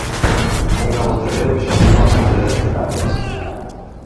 Un novo terreo que xa ocupa máis de dez hectáreas.